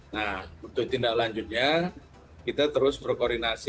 nah untuk tindak lanjutnya kita terus berkoordinasi